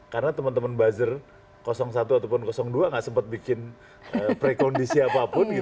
karena teman teman buzzer satu atau dua tidak sempat bikin prekondisi apapun